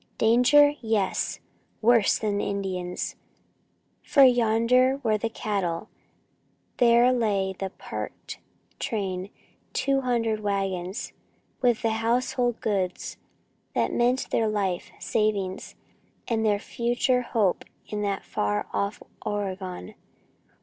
Danger? Yes! Worse than Indians, for yonder were the cattle; there lay the parked train, two hundred wagons, with the household goods that meant their life savings and their future hope in far off Oregon.